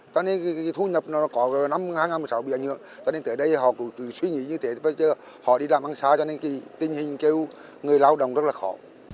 cho nên thu nhập có năm hai nghìn một mươi sáu bị ảnh hưởng cho nên tới đây họ cứ suy nghĩ như thế họ đi làm ăn xa cho nên tình hình kêu người lao động rất là khó